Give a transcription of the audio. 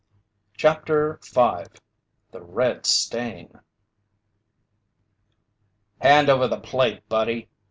CHAPTER 5 THE RED STAIN "Hand over the plate, buddy!"